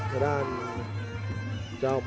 สวัสดีครับ